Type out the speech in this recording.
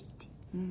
うん。